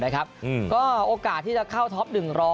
ก็โอกาสที่จะเข้าท็อป๑๐๐